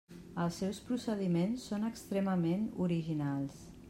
Els seus procediments són extremament originals.